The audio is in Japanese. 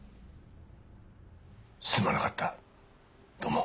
すまなかった土門。